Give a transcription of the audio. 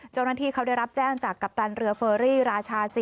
เจ้าหน้าที่เขาได้รับแจ้งจากกัปตันเรือเฟอรี่ราชา๔